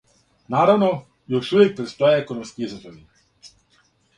Наравно, још увек предстоје економски изазови.